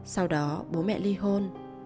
sau đó bố mẹ ly hôn